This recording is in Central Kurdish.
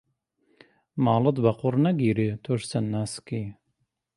ماڵت بە قوڕ نەگیرێ تۆش چەند ناسکی.